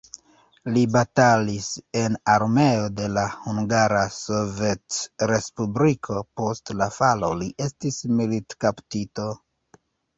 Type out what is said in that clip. Li batalis en armeo de la Hungara Sovetrespubliko, post la falo li estis militkaptito.